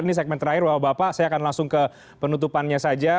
ini segmen terakhir bapak bapak saya akan langsung ke penutupannya saja